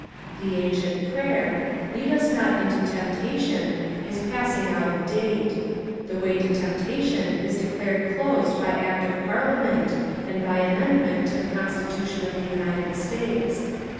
The ancient prayer "Lead us not into temptation" is passing out of date. The way to temptation is declared closed by Act of Parliament and by amendment to the constitution of the United States.